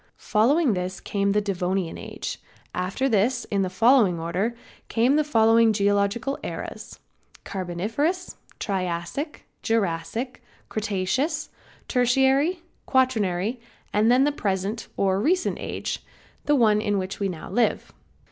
Following this came the Devonian age. After this in the following order came the following geological ages: Carboniferous, Triassic, Jurassic, Cretaceous, Tertiary, Quaternary and then the present or Recent age, the one in which we now live.